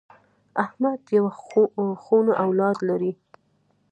احمد یوه خونه اولاد لري.